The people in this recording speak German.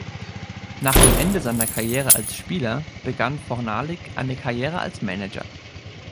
Nach dem Ende seiner Karriere als Spieler, begann Fornalik eine Karriere als Manager.